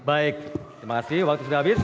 baik terima kasih waktu sudah habis